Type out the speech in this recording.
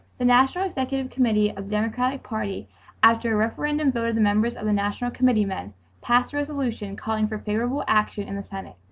The National Executive Committee of the Democratic party, after a referendum vote of the members of the National Committeemen, passed a resolution calling for favorable action in the Senate.